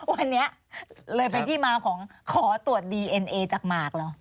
วันนี้เลยเป็นที่มาของขอตรวจดีเอ็นเอจากหมากเหรอ